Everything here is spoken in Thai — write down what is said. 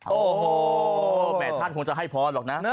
โอ้โหแหมท่านคงจะให้พรหรอกนะ